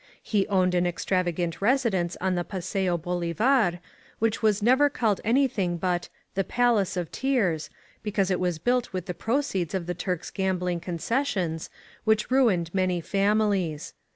He owned an extravagant residence on the Paseo Bolivar, which was never called anything but "The Palace of Tears," because it was built with the proceeds of the Turk's gambling concessions, which ruined many families.